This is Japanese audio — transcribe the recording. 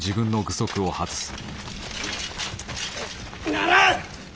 ならん！